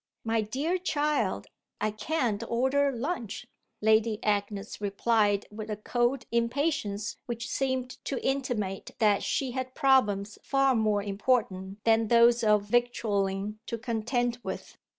"My dear child, I can't order lunch," Lady Agnes replied with a cold impatience which seemed to intimate that she had problems far more important than those of victualling to contend with.